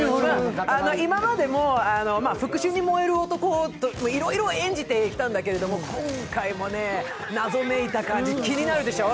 今までも復しゅうに燃える男とかいろいろ演じていたんだけれども、今回も謎めいた感じ、気になるでしょう？